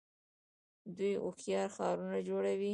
دوی هوښیار ښارونه جوړوي.